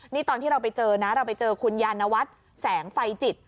นี่ตอนที่เราไปเจอนะเราไปเจอคุณยานวัฒน์แสงไฟจิต